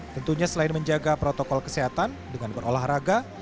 tentunya selain menjaga protokol kesehatan dengan berolahraga